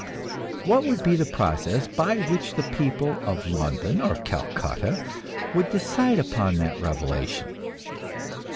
What would be the process by which the people of London or Calcutta would decide upon that revelation?